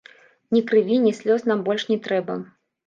Ні крыві, ні слёз нам больш не трэба!